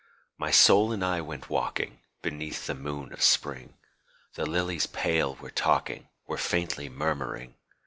My soul and I went walking Beneath the moon of Spring; The lilies pale were talking, Were faintly murmuring.